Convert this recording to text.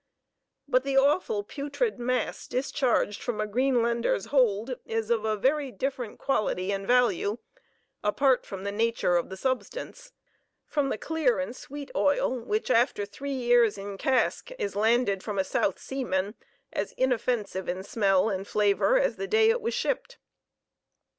But the awful putrid mass discharged from a Greenlander's hold is of a very different quality and value, apart from the nature of the substance, from the clear and sweet oil which after three years in cask is landed from a south seaman as inoffensive in smell and flavor as the day it was shipped.